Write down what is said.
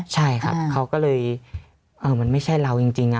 ใช่ครับเขาก็เลยมันไม่ใช่เราจริง